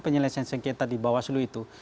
penyelesaian sengketa di bawaslu itu